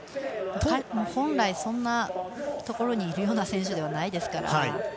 本来、そんなところにいるような選手ではないですから。